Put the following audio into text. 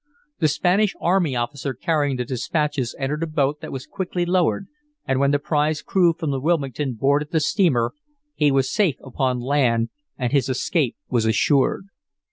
The Spanish army officer carrying the dispatches entered a boat that was quickly lowered and when the prize crew from the Wilmington boarded the steamer he was safe upon land and his escape was assured.